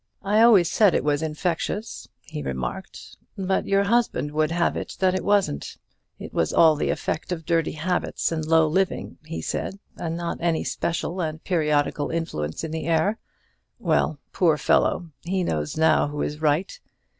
"I always said it was infectious," he remarked; "but your husband would have it that it wasn't. It was all the effect of dirty habits, and low living, he said, and not any special and periodical influence in the air. Well, poor fellow, he knows now who is right.